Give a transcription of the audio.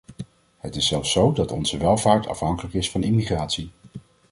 Het is zelfs zo dat onze welvaart afhankelijk is van immigratie.